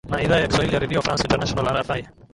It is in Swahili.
na idhaa ya kiswahili ya redio france international rfi